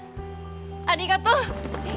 ありがとう！